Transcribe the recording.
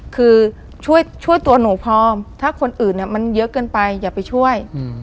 คือช่วยตัวหนูพร้อมถ้าคนอื่นมันเยอะเกินไปอย่าไปช่วย